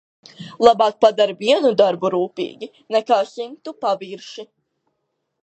Labāk padari vienu darbu rūpīgi nekā simtu pavirši.